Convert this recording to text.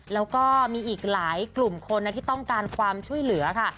แล้วก็มีอีกหลายกลุ่มคนที่ต้องการความช่วยเหลือค่ะ